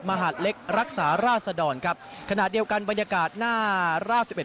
มหาดเล็กรักษาราศดรครับขณะเดียวกันบรรยากาศหน้าราบสิบเอ็